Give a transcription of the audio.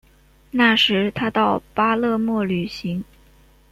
那时他到巴勒莫旅行。